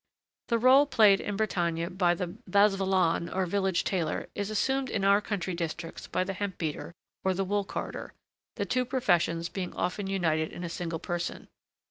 The rôle played in Bretagne by the bazvalan, or village tailor, is assumed in our country districts by the hemp beater or the wool carder, the two professions being often united in a single person.